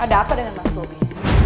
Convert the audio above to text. ada apa dengan mas bobi